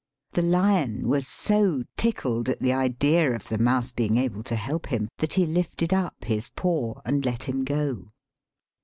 The lion was so tickled at the idea of the mouse being able to help him, that he lifted up his paw and let him go.